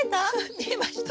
見えました。